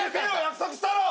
約束したろ！